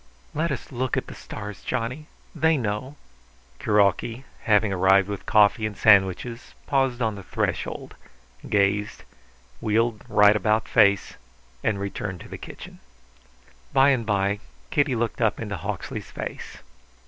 "Let us look at the stars, Johnny. They know." Kuroki, having arrived with coffee and sandwiches, paused on the threshold, gazed, wheeled right about face, and returned to the kitchen. By and by Kitty looked up into Hawksley's face.